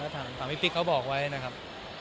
ถามพี่ติ๊กเขาบอกไว้นะครับ